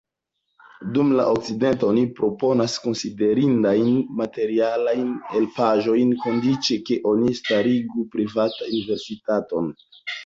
Dume el Okcidento oni proponas konsiderindajn materiajn helpaĵojn, kondiĉe ke oni starigu privatan universitaton.